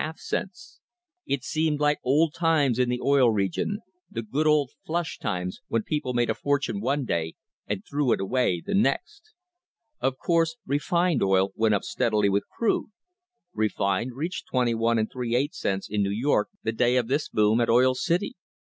It seemed like old times in the Oil Region — the good old flush times when people made a fortune one day and threw it away the next! Of course refined oil went up steadily with crude. Refined reached 21^ cents in New York the day of this boom at Oil City.